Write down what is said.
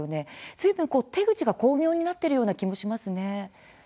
ずいぶん手口が巧妙になっているような気がしますね。